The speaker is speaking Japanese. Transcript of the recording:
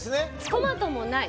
トマトもない